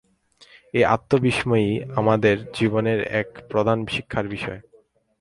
এই আত্মবিস্মৃতিই আমাদের জীবনে এক প্রধান শিক্ষার বিষয়।